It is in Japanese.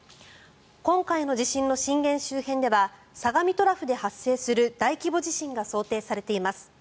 今回の地震の震源周辺では相模トラフで発生する大規模地震が想定されています。